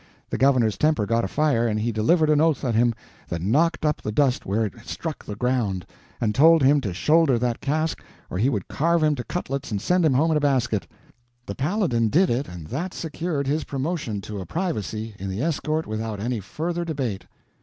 The governor's temper got afire, and he delivered an oath at him that knocked up the dust where it struck the ground, and told him to shoulder that cask or he would carve him to cutlets and send him home in a basket. The Paladin did it, and that secured his promotion to a privacy in the escort without any further debate."